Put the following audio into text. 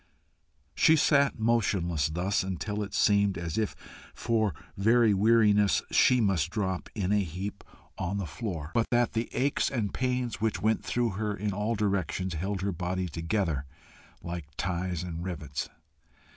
She sat motionless thus, until it seemed as if for very weariness she must drop in a heap on the floor, but that the aches and pains which went through her in all directions held her body together like ties and rivets.